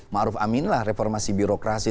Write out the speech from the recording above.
ma'ruf amin lah reformasi birokrasi